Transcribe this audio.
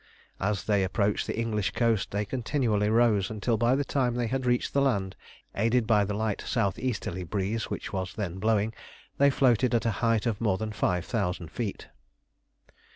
As they approached the English coast they continually rose, until by the time they had reached the land, aided by the light south easterly breeze which was then blowing, they floated at a height of more than five thousand feet.